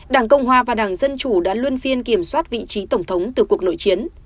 đảng cộng hòa và đảng dân chủ đã luân phiên kiểm soát vị trí tổng thống từ cuộc nội chiến